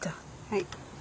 はい。